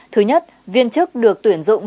thứ nhất viên chức được tuyển dụng